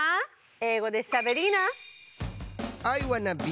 英語でしゃべりーな！